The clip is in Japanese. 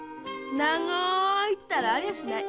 長いったらありゃしない。